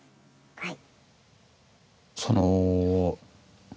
はい。